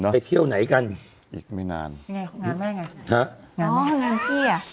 ไปเที่ยวไหนกันอีกไม่นานไงงานว่าไงฮะอ๋องานที่อ่ะ